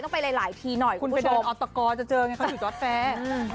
ไปหลายทีหน่อยคุณผู้ชมออตกรจะเจอไงเขาอยู่จอดแฟร์